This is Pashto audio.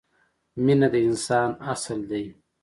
مینه د انسان اصل دی.